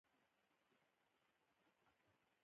زه درمل د ډاکټر له سلا پرته نه رانيسم.